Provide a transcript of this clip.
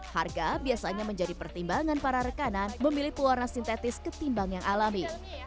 harga biasanya menjadi pertimbangan para rekanan memilih pewarna sintetis ketimbang yang alami